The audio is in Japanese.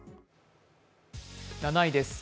７位です。